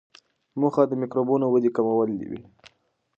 موخه د میکروبونو ودې کمول وي.